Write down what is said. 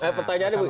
eh pertanyaannya bu